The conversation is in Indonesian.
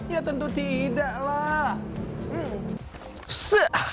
ya tentu tidak lah